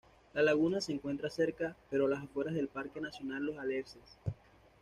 La laguna se encuentra cerca, pero a las afueras del Parque Nacional Los Alerces.